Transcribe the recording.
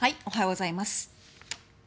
おはようございます。